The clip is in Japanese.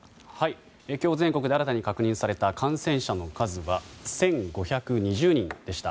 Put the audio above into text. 今日、全国で新たに確認された感染者の数は１５２０人でした。